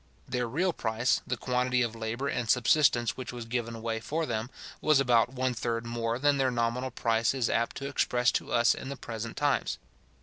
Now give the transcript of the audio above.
Their real price, the quantity of labour and subsistence which was given away for them, was about one third more than their nominal price is apt to express to us in the present times.